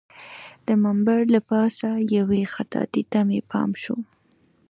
د منبر له پاسه یوې خطاطۍ ته مې پام شو.